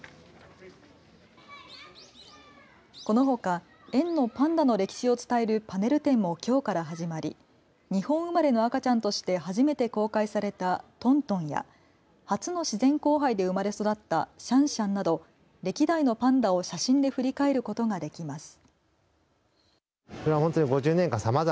このほか、園のパンダの歴史を伝えるパネル展もきょうから始まり日本生まれの赤ちゃんとして初めて公開されたトントンや初の自然交配で生まれ育ったシャンシャンなど歴代のパンダを写真で振り返ることができます。